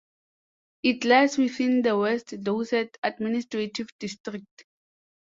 It lies within the West Dorset administrative district.